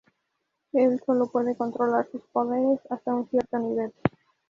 Él sólo puede controlar sus poderes hasta un cierto nivel.